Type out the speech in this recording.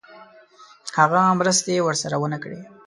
هغه مرستې ورسره ونه کړې.